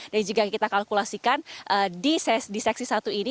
dan jika kita kalkulasikan di seksi satu ini